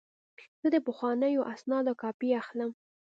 زه د پخوانیو اسنادو کاپي اخلم.